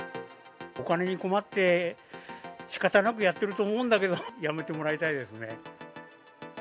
お金に困って、しかたなくやってると思うんだけど、やめてもらいたいですね。